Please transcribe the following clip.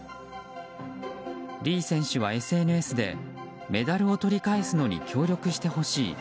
リー選手は、ＳＮＳでメダルを取り返すのに協力してほしい。